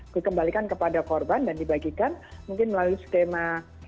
dikembalikan kepada korban dan dibagikan mungkin melalui skema